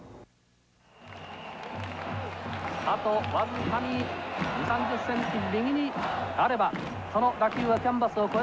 あと僅かに２０３０センチ右にあればその打球はキャンバスを越えていったことでしょう。